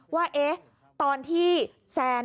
ว่าตอนที่แซนบิลล่ะกัน